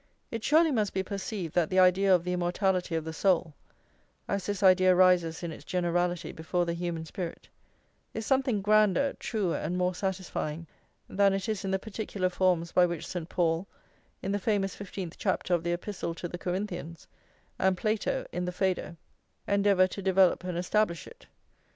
It surely must be perceived that the idea of the immortality of the soul, as this idea rises in its generality before the human spirit, is something grander, truer, and more satisfying, than it is in the particular forms by which St. Paul, in the famous fifteenth chapter of the Epistle to the Corinthians,+ and Plato, in the Phaedo, endeavour to develope and establish it.